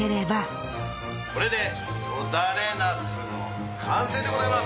これでよだれナスの完成でございます！